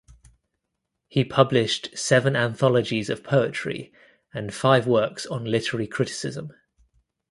He published seven anthologies of poetry and five works on literary criticism.